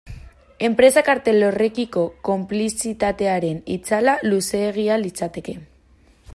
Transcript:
Enpresa kartel horrekiko konplizitatearen itzala luzeegia litzateke.